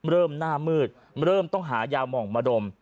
เริ่มหน้ามืดเริ่มต้องหายามองมาดม